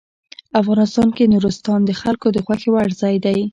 افغانستان کې نورستان د خلکو د خوښې وړ ځای دی.